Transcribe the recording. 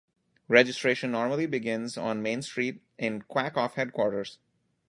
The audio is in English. Registration normally begins on main street in Quack-Off Headquarters.